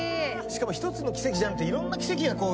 しかも一つの奇跡じゃなくていろんな奇跡が積み重なって。